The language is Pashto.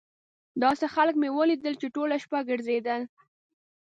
داسې خلک مې ولیدل چې ټوله شپه ګرځېدل.